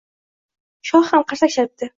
Shoh ham qarsak chalibdi